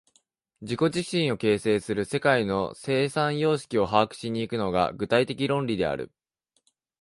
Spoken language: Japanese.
自己自身を形成する世界の生産様式を把握し行くのが、具体的論理である。